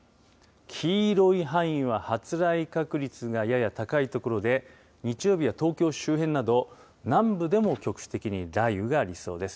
黄色い範囲は発雷確率がやや高い所で、日曜日は東京周辺など、南部でも局地的に雷雨がありそうです。